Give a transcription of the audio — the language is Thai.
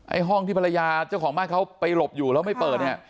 ห้องที่ภรรยาเจ้าของบ้านเขาไปหลบอยู่แล้วไม่เปิดเนี่ย